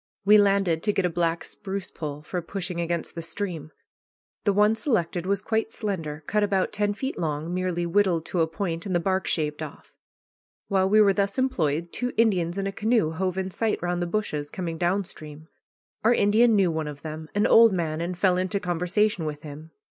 We landed to get a black spruce pole for pushing against the stream. The one selected was quite slender, cut about ten feet long, merely whittled to a point, and the bark shaved off. While we were thus employed, two Indians in a canoe hove in sight round the bushes, coming down stream. Our Indian knew one of them, an old man, and fell into conversation with him.